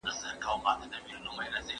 نژدي خلګ باید د یو بل سره مرسته وکړي.